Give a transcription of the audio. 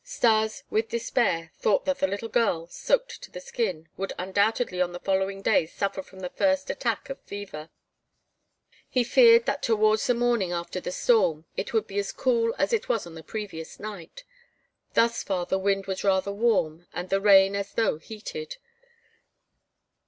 Stas, with despair, thought that the little girl, soaked to the skin, would undoubtedly on the following day suffer from the first attack of fever. He feared that towards the morning, after the storm, it would be as cool as it was on the previous night. Thus far the wind was rather warm and the rain as though heated.